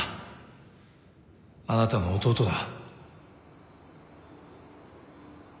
あなたの弟だ